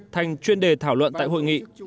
thành chuyên đề thảo luận tại hội nghị